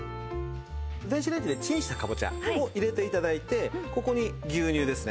電子レンジでチンしたかぼちゃを入れて頂いてここに牛乳ですね。